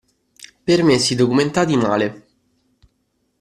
Permessi documentati male.